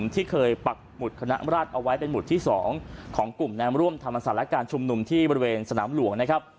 ธรรมศาลการณ์ชุมหนุ่มที่บริเวณสนามหลวงนะครับ